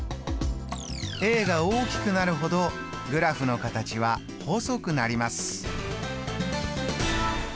が大きくなるほどグラフの形は細くなります。